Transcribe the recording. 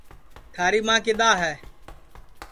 تھاری ماں کِدؔا ہے